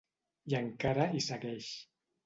I encara hi segueix.